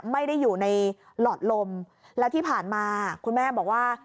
ไม่ได้อยู่ในหลอดลมแล้วที่ผ่านมาคุณแม่บอกว่า